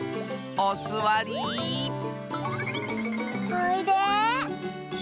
おいで。